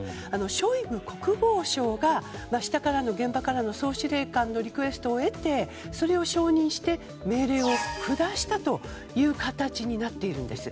ショイグ国防相が下からの、現場からの総司令官のリクエストを得てそれを承認して命令を下した形になっています。